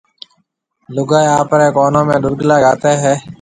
لوگائيَ آپريَ ڪونون ۾ ڏُرگلا گھاتيَ ھيََََ